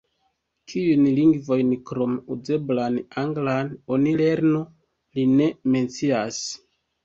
Kiujn lingvojn krom "uzeblan anglan" oni lernu, li ne mencias.